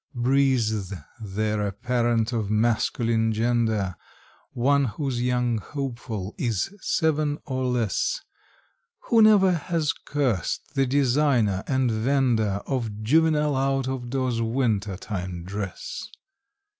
Breathes there a parent of masculine gender, One whose young hopeful is seven or less, Who never has cursed the designer and vender Of juvenile out of doors winter time dress?